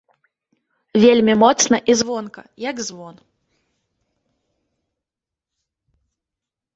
Вельмі моцна і звонка, як звон.